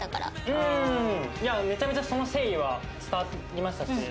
うんうんいやめちゃめちゃその誠意は伝わりましたし。